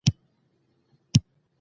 په کلیوالي لارو مزل ډېر خوندور دی.